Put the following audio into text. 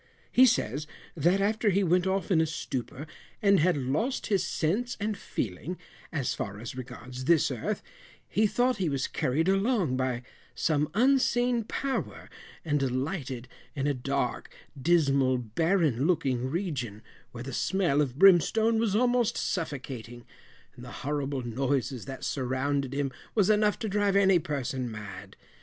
He says, that after he went off in a stupor, and had lost his sense and feeling, as far as regards this earth, he thought he was carried along by some unseen power, and alighted in a dark dismal barren looking region, where the smell of brimstone was almost suffocating, and the horrible noises that surrounded him was enough to drive any person mad.